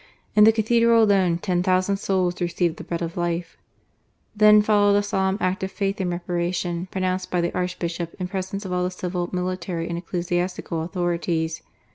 In the Cathedral alone, ten thousand souls received the Bread of Life. Then followed a solemn Act of Faith and Reparation, pronounced by the Archbishop in presence of all the civil, military, and ecclesiastical authorities.